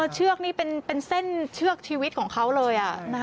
เชือกนี่เป็นเส้นเชือกชีวิตของเขาเลย